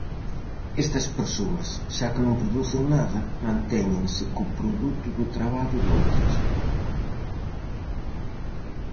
Estas persoas, xa que non producen nada, mantéñense co produto do traballo doutras.